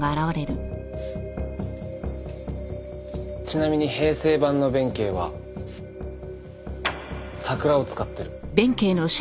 ちなみに平成版の弁慶は桜を使ってる。